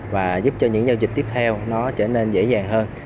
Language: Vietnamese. và giúp cho những giao dịch tiếp theo nó trở nên dễ dàng hơn